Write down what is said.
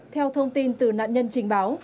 theo thông tin từ nạn nhân trình báo